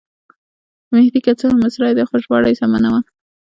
مهدي که څه هم مصری دی خو ژباړه یې سمه نه وه.